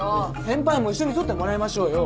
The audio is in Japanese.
先輩も一緒に撮ってもらいましょうよ。